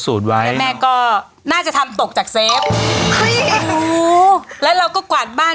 คิดว่ามันมีประโยชน์ในอนาคตเขาก็เก็บไว้ก่อน